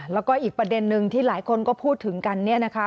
แล้วก็อีกประเด็นนึงที่หลายคนก็พูดถึงกันเนี่ยนะคะ